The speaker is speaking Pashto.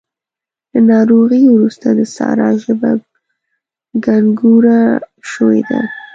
له ناروغۍ روسته د سارا ژبه ګانګوړه شوې ده.